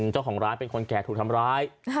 เจ้าของร้านเป็นคนแก่ถูกทำร้าย